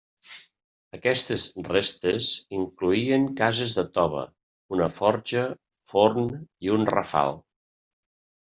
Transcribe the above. Aquestes restes incloïen cases de tova, una forja, forn i un rafal.